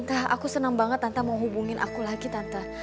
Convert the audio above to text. aku senang banget tante mau hubungin aku lagi tante